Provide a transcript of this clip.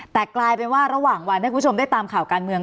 แต่กลายเป็นว่าระหว่างวันให้คุณผู้ชมได้ตามข่าวการเมือง